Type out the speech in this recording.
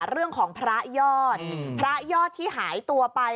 เรื่องของพระยอดพระยอดที่หายตัวไป